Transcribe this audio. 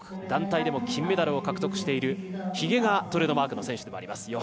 団体でも金メダルを獲得しているひげがトレードマークの選手でもあります。